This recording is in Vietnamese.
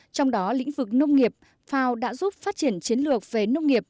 trong đó lĩnh vực nông nghiệp fao đã giúp phát triển chiến lược về nông nghiệp